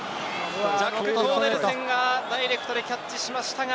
ジャック・コーネルセンがダイレクトでキャッチしましたが。